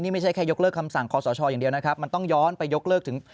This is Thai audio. ไม่ใช่แค่ยกเลิกคำสั่งคอสชอย่างเดียวนะครับมันต้องย้อนไปยกเลิกถึง